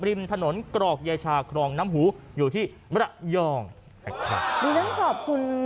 ริมถนนกรอกยายชาครองน้ำหูอยู่ที่ระยองนะครับดิฉันขอบคุณ